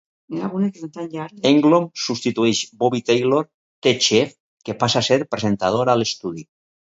Engblom substitueix Bobby Taylor "The Chief", que passa a ser presentador a l'estudi.